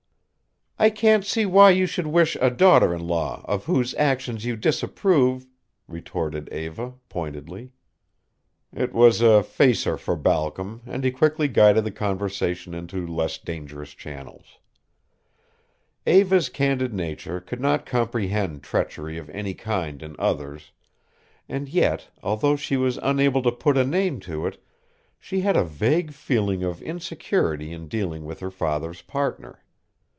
"I can't see why you should wish a daughter in law of whose actions you disapprove," retorted Eva, pointedly. It was a facer for Balcom and he quickly guided the conversation into less dangerous channels. Eva's candid nature could not comprehend treachery of any kind in others, and yet, although she was unable to put a name to it, she had a vague feeling of insecurity in dealing with her father's partner.